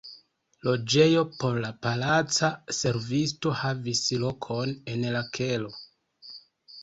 Loĝejo por la palaca servisto havis lokon en la kelo.